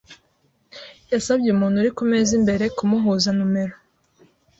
Yasabye umuntu uri kumeza imbere kumuhuza numero.